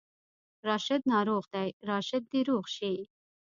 راشد ناروغ دی، راشد دې روغ شي